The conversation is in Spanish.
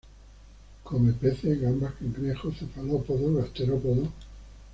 Come peces, gambas, cangrejos, cefalópodos gasterópodos.